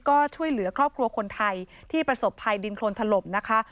ก็ช่วยเหลือครอบครัวคนไทยที่ประสบภัยดินโครนถล่มนะคะ